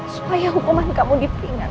supaya hukuman kamu diperingati